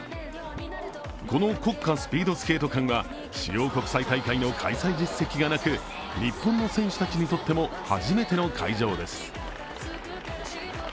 この国家スピードスケート館は主要国際大会の開催実績がなく日本の選手たちにとっても初めての会場です。